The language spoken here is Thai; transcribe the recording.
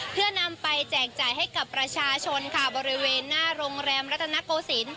เพื่อนำไปแจกจ่ายให้กับประชาชนค่ะบริเวณหน้าโรงแรมรัฐนโกศิลป